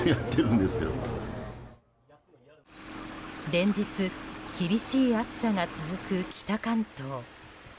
連日厳しい暑さが続く北関東。